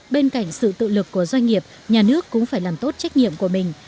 bên cạnh sự tự lực của doanh nghiệp nhà nước cũng phải làm tốt trách nhiệm của mình